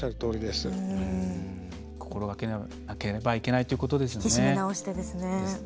心がけなければいけないということですね。